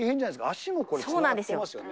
足もこれ、つながってますよね。